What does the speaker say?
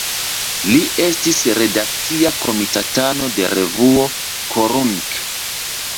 Li estis redakcia komitatano de revuo "Korunk".